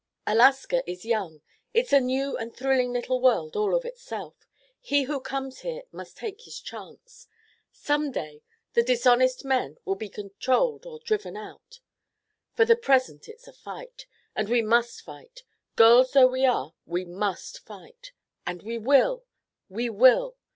Alaska is young. It's a new and thrilling little world all of itself. He who comes here must take his chance. Some day, the dishonest men will be controlled or driven out. For the present it's a fight. And we must fight. Girls though we are, we must fight. And we will! We will!"